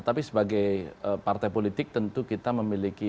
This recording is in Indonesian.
tapi sebagai partai politik tentu kita memiliki